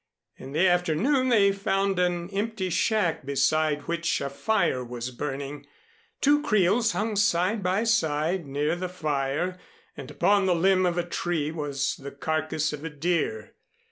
In the afternoon they found an empty shack beside which a fire was burning. Two creels hung side by side near the fire and upon the limb of a tree was the carcass of a deer.